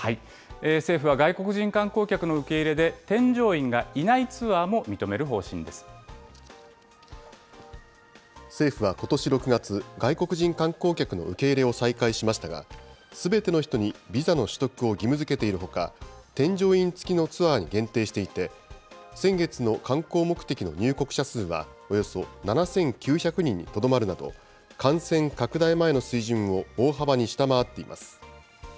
政府は外国人観光客の受け入れで、添乗員がいないツアーも認政府はことし６月、外国人観光客の受け入れを再開しましたが、すべての人にビザの取得を義務づけているほか、添乗員付きのツアーに限定していて、先月の観光目的の入国者数はおよそ７９００人にとどまるなど、感染拡大前の水準を大幅に下回っています。